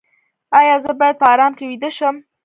ایا زه باید په ارام کې ویده شم؟